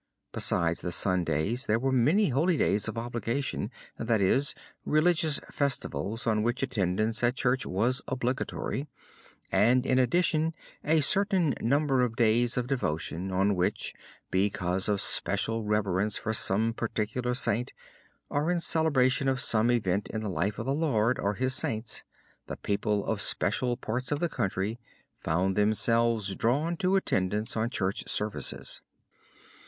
Besides the Sundays there were many holy days of obligation, that is, religious festivals on which attendance at Church was obligatory, and in addition a certain number of days of devotion on which, because of special reverence for some particular saint, or in celebration of some event in the life of the Lord or his saints, the people of special parts of the country found themselves drawn to attendance on church services.